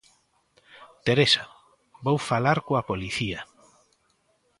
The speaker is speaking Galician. Teresa, vou falar coa policía.